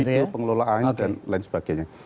lingkungan hidup pengelolaan dan lain sebagainya